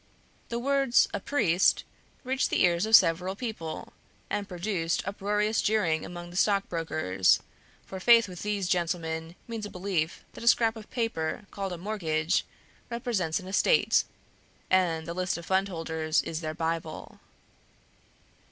The words "a priest" reached the ears of several people, and produced uproarious jeering among the stockbrokers, for faith with these gentlemen means a belief that a scrap of paper called a mortgage represents an estate, and the List of Fundholders is their Bible.